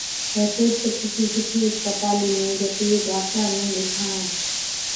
تہ تُرت ڪِسِي سُٺِي اِسپتالِي ۾ جتِي ڊاڪٽرا نُون ڏيکاڻا۔